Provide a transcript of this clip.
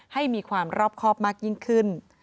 ให้มีความรอบครอบมากยิ่งขึ้น